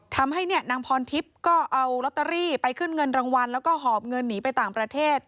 ทำให้เนี่ยนางพรทิพย์ก็เอาลอตเตอรี่ไปขึ้นเงินรางวัลแล้วก็หอบเงินหนีไปต่างประเทศ